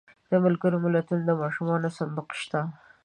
د ملګرو ملتونو د ماشومانو صندوق شته.